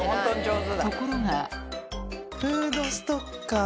ところがフードストッカー？